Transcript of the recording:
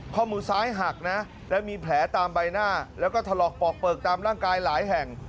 ข้อมือซ้ายหักนะแล้วมีแผลตามใบหน้าแล้วก็ถลอกปอกเปลือกตามร่างกายหลายแห่ง